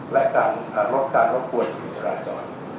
และการรวบการลบบวนตลอดสร้างตอน